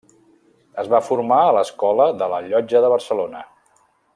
Es va formar a l'Escola de la Llotja de Barcelona.